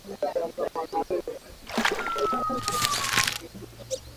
Mu nsoko ya moise munaikalaka beyi chini ya bitu